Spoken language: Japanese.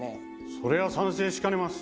それは賛成しかねます。